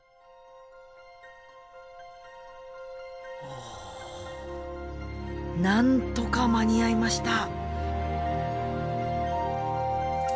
おなんとか間に合いました。